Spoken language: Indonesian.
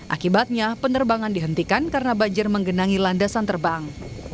akibatnya penerbangan dihentikan karena banjir menggenangi landasan terbang